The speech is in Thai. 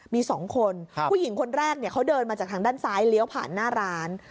มี๒คนผู้หญิงคนแรกเขาเดินมาจากทางด้านซ้ายเลี้ยวผ่านหน้าร้าน